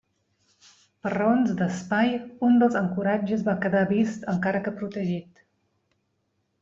Per raons d'espai, un dels ancoratges va quedar vist, encara que protegit.